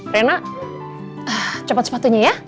rena cepet sepatunya ya